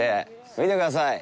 見てください。